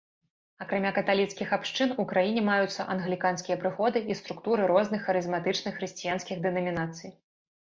Акрамя каталіцкіх абшчын у краіне маюцца англіканскія прыходы і структуры розных харызматычных хрысціянскіх дэнамінацый.